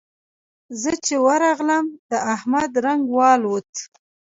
زه چې ورغلم؛ د احمد رنګ والوت.